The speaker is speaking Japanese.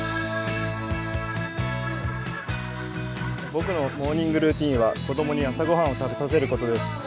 僕のモーニングルーティンは子供に朝御飯を食べさせることです。